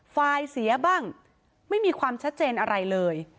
ไฟล์เสียบ้างไม่มีความชัดเจนอะไรเลย